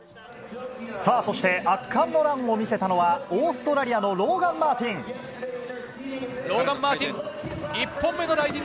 圧巻のランを見せたのはオーストラリアのローガン・マーティン。